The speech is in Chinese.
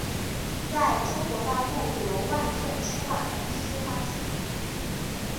在中国大陆由万卷出版公司发行。